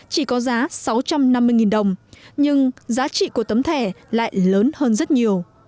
chỉ có giá sáu trăm năm mươi đồng nhưng giá trị của tấm thẻ lại lớn hơn rất nhiều